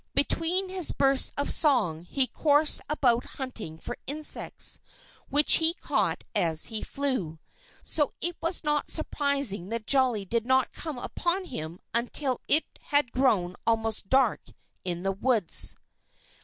Between his bursts of song he coursed about hunting for insects, which he caught as he flew. So it was not surprising that Jolly did not come upon him until it had grown almost dark in the woods.